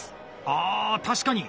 あ確かに。